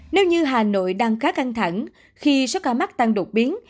nếu như hà nội đang khá căng thẳng khi số ca mắc tăng đột biến